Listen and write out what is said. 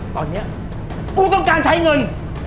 ตอนนี้กูต้องการใช้เงิน